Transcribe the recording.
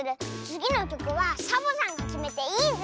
つぎのきょくはサボさんがきめていいズル。